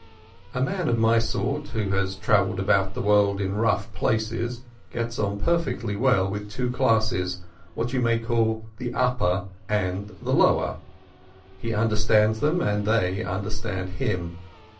A man of my sort, who has travelled about the world in rough places, gets on perfectly well with two classes, what you may call the upper and the lower. He understands them and they understand him.